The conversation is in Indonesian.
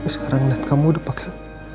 sekarang lihat kamu udah pakai